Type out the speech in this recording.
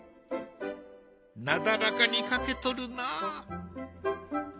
なだらかに描けとるな。